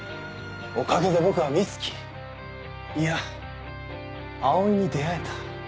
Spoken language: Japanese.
おかげで僕は美月いや葵に出会えた。